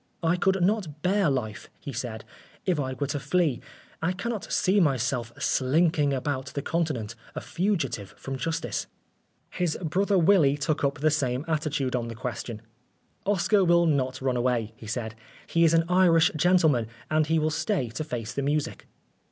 " I could not bear life," he said, "if I were to flee. I cannot see myself slinking about the Continent, a fugitive from justice." His brother Willy took up the same attitude on the question. "Oscar will not 161 n Oscar Wilde run away," he said. " He is an Irish gentle man, and he will stay to face the music."